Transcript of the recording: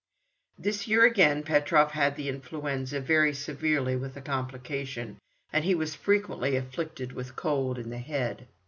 This year again Petrov had the influenza, very severely with a complication, and he was frequently afflicted with cold in the head.